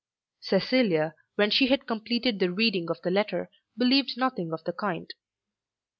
Cecilia, when she had completed the reading of the letter, believed nothing of the kind.